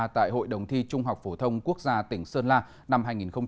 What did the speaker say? tại hội đồng thi trung học phổ thông quốc gia tỉnh sơn la năm hai nghìn một mươi chín